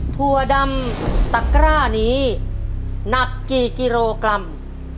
ถั่วดำตะกร้านี้หนักกี่กิโลกรัม